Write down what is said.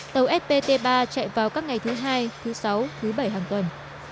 tàu spt ba chạy vào các ngày thứ hai thứ sáu thứ bảy hàng tuần